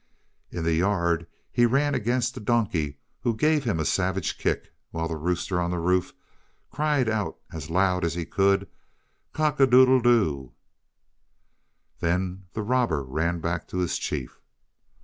In the yard he ran against the donkey, who gave him a savage kick, while the rooster on the roof cried out as loud as he could, "Cock a doodle doo." Then the robber ran back to his chief.